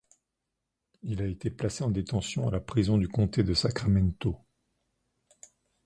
Il a été placé en détention à la prison du comté de Sacramento.